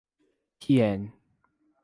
Piên